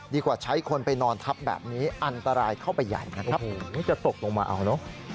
กว่าใช้คนไปนอนทับแบบนี้อันตรายเข้าไปใหญ่นะครับโอ้โหจะตกลงมาเอาเนอะ